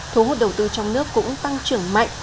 thu hút đầu tư trong nước cũng tăng trưởng mạnh